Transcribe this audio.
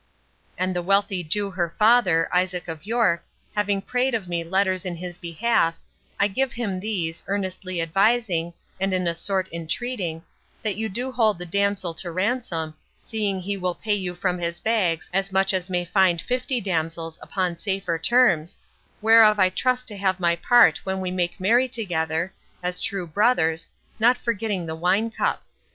And the wealthy Jew her father, Isaac of York, having prayed of me letters in his behalf, I gave him these, earnestly advising, and in a sort entreating, that you do hold the damsel to ransom, seeing he will pay you from his bags as much as may find fifty damsels upon safer terms, whereof I trust to have my part when we make merry together, as true brothers, not forgetting the wine cup.